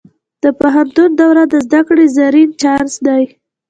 د پوهنتون دوره د زده کړې زرین چانس دی.